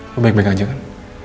kok baik baik aja kan